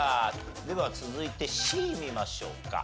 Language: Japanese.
では続いてＣ見ましょうか。